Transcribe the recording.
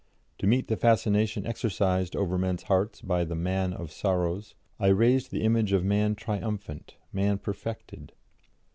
To meet the fascination exercised over men's hearts by the Man of Sorrows, I raised the image of man triumphant, man perfected.